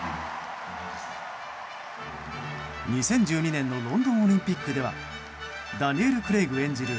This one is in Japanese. ２０１２年のロンドンオリンピックではダニエル・クレイグ演じる